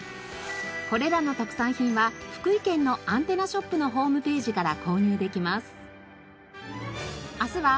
これらの特産品は福井県のアンテナショップのホームページから購入できます。